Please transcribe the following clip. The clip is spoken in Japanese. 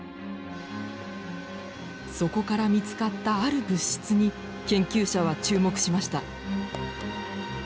そこから見つかったある物質に研究者は注目しました。